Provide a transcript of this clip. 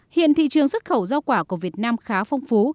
hiện thị trường xuất khẩu giao quả của việt nam khá phong phú